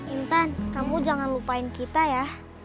intan kamu jangan lupain kita ya